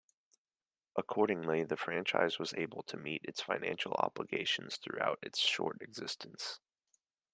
Accordingly, the franchise was able to meet its financial obligations throughout its short existence.